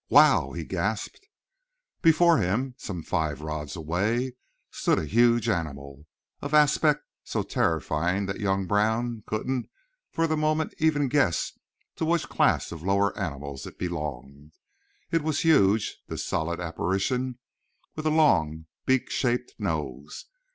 "Wow!" he gasped. Before him, some five rods away, stood a huge animal, of aspect so terrifying that young Brown couldn't, for the moment, even guess to which class of lower animals it belonged. It was huge, this solid apparition, with a long, beak shaped nose.